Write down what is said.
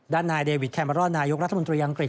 ด้านนายเดวิดแคมมารอนนายกรัฐมนตรีอังกฤษ